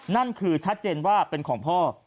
นั่นคือชัดเจนว่าเป็นของพ่อ